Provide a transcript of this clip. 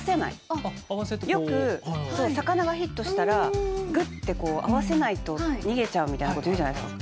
よく魚がヒットしたらグッてこうあわせないと逃げちゃうみたいなこと言うじゃないですか。